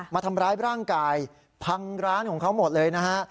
มาทำร้ายร่างกายพังร้านของเขาหมดเลยนะฮะ